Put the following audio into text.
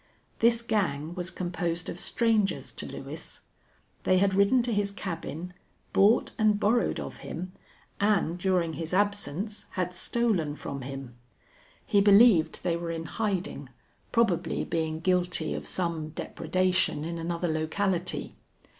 This gang was composed of strangers to Lewis. They had ridden to his cabin, bought and borrowed of him, and, during his absence, had stolen from him. He believed they were in hiding, probably being guilty of some depredation in another locality.